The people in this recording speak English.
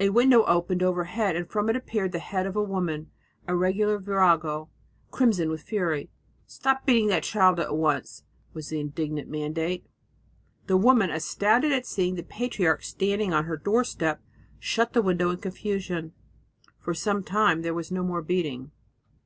A window opened overhead and from it appeared the head of a. woman, a regular virago, crimson with fury "Stop beating that child at once!" was the indignant mandate. The woman, astounded at seeing the patriarch standing on her doorstep, shut the window in confusion. For some time there was no more beating.